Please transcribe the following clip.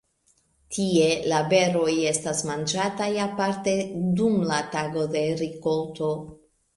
Tie la beroj estas manĝataj aparte dum la Tago de rikolto.